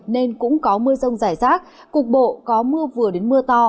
nên cũng có mưa rông rải rác cục bộ có mưa vừa đến mưa to